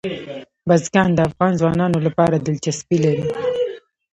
بزګان د افغان ځوانانو لپاره دلچسپي لري.